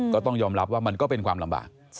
ก็ต้องยอมรับว่ามันก็เป็นความลำบาก